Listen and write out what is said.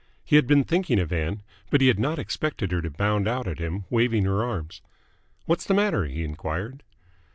He had been thinking of Ann, but he had not expected her to bound out at him, waving her arms. "What's the matter?" he enquired.